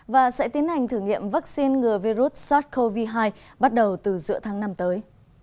và sẽ tiến hành thử nghiệm vaccine ngừa virus sars cov hai bắt đầu từ giữa tháng năm tới